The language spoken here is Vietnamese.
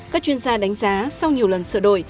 các chuyên gia đánh giá sau nhiều lần sửa đổi